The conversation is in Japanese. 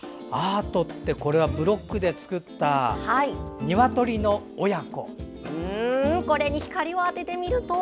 これはブロックで作ったニワトリの親子？